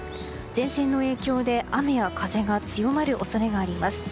前線の影響で雨や風が強まる恐れがあります。